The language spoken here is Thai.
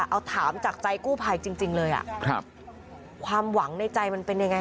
เอาถามจากใจกู้ภัยจริงเลยอ่ะครับความหวังในใจมันเป็นยังไง